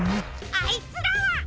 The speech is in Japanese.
あいつらは！